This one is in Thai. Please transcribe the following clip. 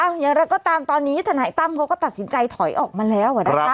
แล้วก็ตามตอนนี้ทนายตั้มเขาก็ตัดสินใจถอยออกมาแล้ว